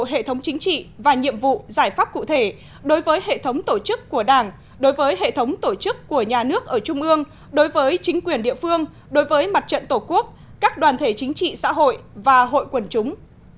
hệ thống chính trị và nhiệm vụ giải pháp cụ thể đối với hệ thống tổ chức của đảng đối với hệ thống tổ chức của nhà nước ở trung ương đối với chính quyền địa phương đối với mặt trận tổ quốc các đoàn thể chính trị xã hội và hội quần chúng